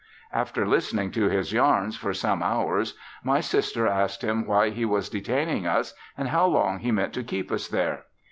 After listening to his yarns for some hours my sister asked him why he was detaining us and how long he meant to keep us there.